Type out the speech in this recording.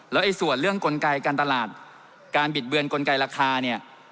แล้วส่วนเรื่องกลไกการตลาดการบิดเบือนกลไกราคาเนี่ย